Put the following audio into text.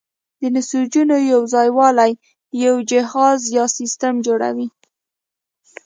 د نسجونو یوځای والی یو جهاز یا سیستم جوړوي.